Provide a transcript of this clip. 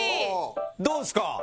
どうですか？